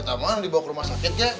taman dibawa ke rumah sakitnya